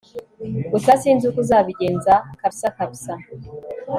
gusa sinzi uko uzabigenza kabsa kabsa